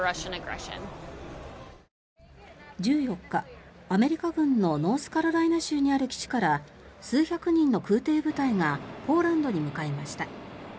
１４日、アメリカ軍のノースカロライナ州にある基地から数百人の空挺部隊がポーランドに向かいました。